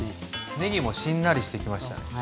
ねぎもしんなりしてきましたね。